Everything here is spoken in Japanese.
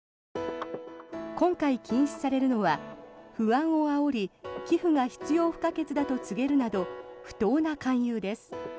今回禁止されるのは不安をあおり寄付が必要不可欠だと告げられるなど不当な勧誘です。